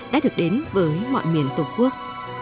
đã được đến với mọi miền tổ quốc